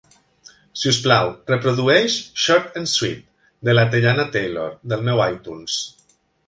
Si us plau, reprodueix "Short And Sweet" de la Teyana Taylor del meu itunes.